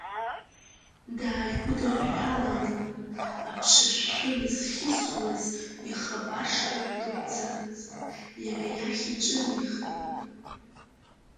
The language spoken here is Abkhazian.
Дааигәыдыҳәҳәаланы, аԥшашәшәы назхьысуаз ихы апашра днагәӡырц, иара иахь иҿынеихеит.